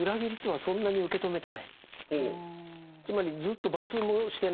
つまりずっと罰もしてないし。